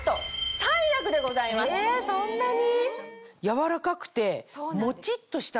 えそんなに！